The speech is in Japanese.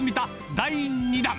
第２弾。